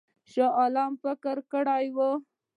شاه عالم فکر کړی وو.